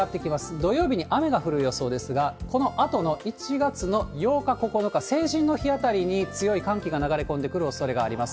土曜日に雨が降る予想ですが、このあとの１月の８日、９日、成人の日あたりに強い寒気が流れ込んでくるおそれがあります。